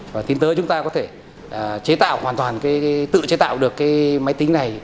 và tính tới chúng ta có thể tự chế tạo được máy tính này